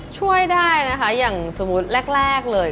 ช่วยได้นะคะอย่างสมมุติแรกเลย